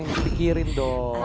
yang dipikirin dong